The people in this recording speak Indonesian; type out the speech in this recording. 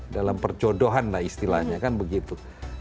dalam perjodohan lah istilahnya kan begitu